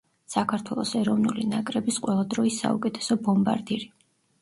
საქართველოს ეროვნული ნაკრების ყველა დროის საუკეთესო ბომბარდირი.